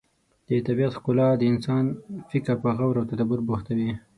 د طبیعت ښکلا د انسان فکر په غور او تدبر بوختوي.